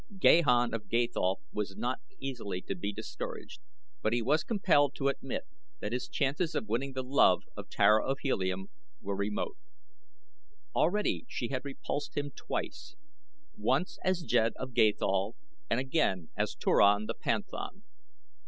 Gahan of Gathol was not easily to be discouraged, but he was compelled to admit that his chances of winning the love of Tara of Helium were remote. Already had she repulsed him twice. Once as jed of Gathol and again as Turan the panthan.